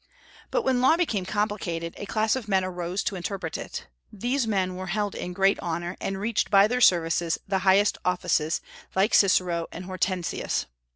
But when law became complicated, a class of men arose to interpret it. These men were held in great honor, and reached by their services the highest offices, like Cicero and Hortensius.